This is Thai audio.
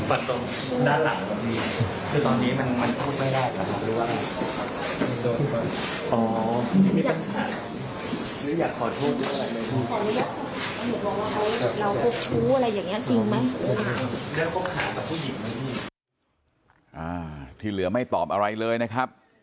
ที่เหลือไม่ตอบอะไรเลยนะครับ